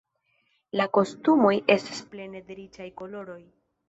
La kostumoj estas plene de riĉaj koloroj.